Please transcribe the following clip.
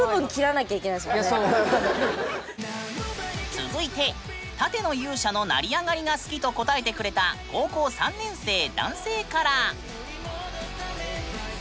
続いて「盾の勇者の成り上がり」が好きと答えてくれた高校３年生男性から。